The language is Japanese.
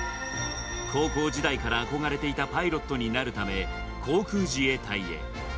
高校時代から憧れていたパイロットになるため、航空自衛隊へ。